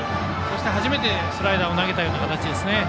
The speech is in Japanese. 初めてスライダーを投げたような形ですね。